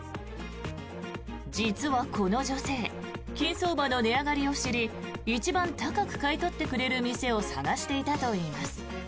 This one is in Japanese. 実はこの女性金相場の値上がりを知り一番高く買い取ってくれる店を探していたといいます。